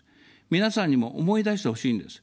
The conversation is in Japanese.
皆さんにも思い出してほしいんです。